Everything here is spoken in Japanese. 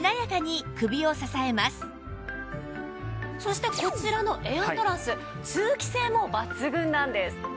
そしてこちらのエアトラス通気性も抜群なんです。